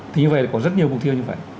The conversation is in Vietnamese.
thì như vậy có rất nhiều mục tiêu như vậy